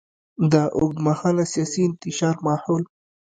د اوږدمهاله سیاسي انتشار ماحول.